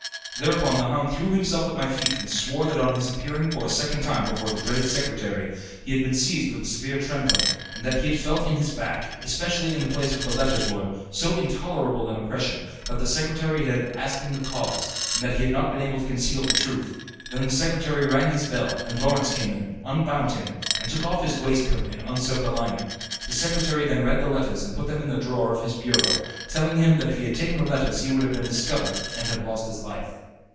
Thereupon the hound threw himself at my feet, and swore that on his appearing for a second time before the dreaded secretary, he had been seized with a severe trembling; and that he had felt in his back, especially in the place where the letters were, so intolerable an oppression, that the secretary had asked him the cause, and that he had not been able to conceal the truth. Then the secretary rang his bell, and Lawrence came in, unbound him, and took off his waist coat and unsewed the lining. The secretary then read the letters and put them in a drawer of his bureau, telling him that if he had taken the letters he would have been discovered and have lost his life.